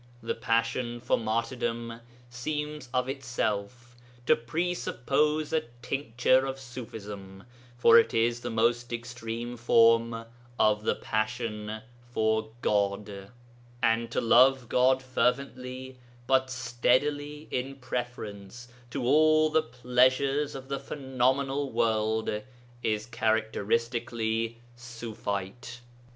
The passion for martyrdom seems of itself to presuppose a tincture of Ṣufism, for it is the most extreme form of the passion for God, and to love God fervently but steadily in preference to all the pleasures of the phenomenal world, is characteristically Ṣufite.